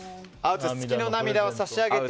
月の涙を差し上げて。